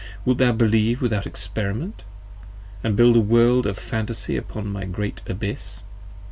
wilt thou believe without Experiment? And build a World of Phantasy upon my Great Abyss?